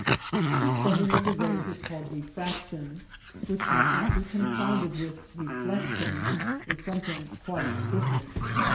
This bending of the rays is called refraction, which must not be confounded with reflection — a some thing quite different.